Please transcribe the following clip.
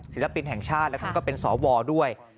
ศิลปินแห่งชาติและคุณก็เป็นสอวาร์ด้วย